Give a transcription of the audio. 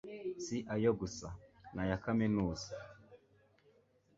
Si ayo gusa, n'aya kaminuza,